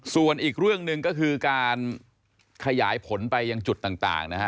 ส่วนอีกเรื่องหนึ่งก็คือการขยายผลไปยังจุดต่างนะฮะ